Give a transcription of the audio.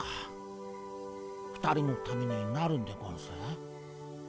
２人のためになるんでゴンス？